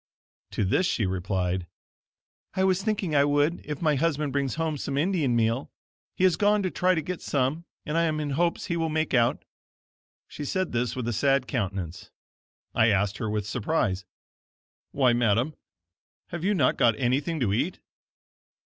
To this she replied: "I was thinking I would if my husband brings home some Indian meal. He has gone to try to get some and I am in hopes he will make out." She said this with a sad countenance. I asked her with surprise: "Why madam, have you not got anything to eat?"